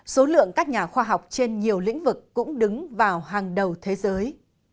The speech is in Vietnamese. số lượng các nhà khoa học trên nhiều lĩnh vực cũng đứng vào hàng đầu thế giới